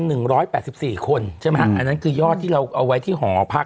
หนึ่งร้อยแปดสิบสี่คนใช่ไหมฮะอันนั้นคือยอดที่เราเอาไว้ที่หอพัก